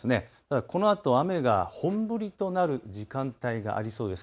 ただこのあと雨が本降りとなる時間帯がありそうです。